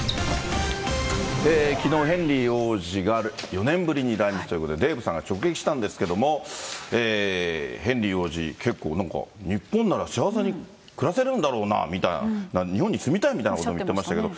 きのう、ヘンリー王子が４年ぶりに来日ということで、デーブさんが直撃したんですけれども、ヘンリー王子、結構、なんか、日本なら幸せに暮らせるんだろうなみたいな、おっしゃってましたね。